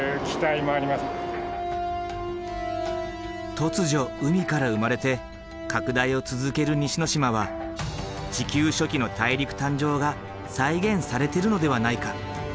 突如海から生まれて拡大を続ける西之島は地球初期の大陸誕生が再現されてるのではないか。